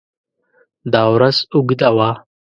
دا ورځ اوږده وه.